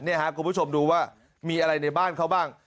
นี่ครับคุณผู้ชมดูว่ามีอะไรในบ้านเขาบ้าง